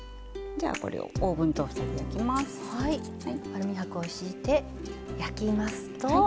アルミはくを敷いて焼きますと。